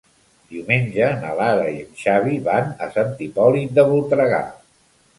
Diumenge na Lara i en Xavi van a Sant Hipòlit de Voltregà.